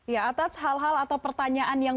ya atas hal hal atau pertanyaan yang